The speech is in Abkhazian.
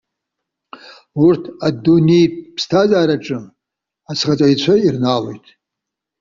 Урҭ адунеитә ԥсҭазаараҿы азхаҵаҩцәа ирнаалоит.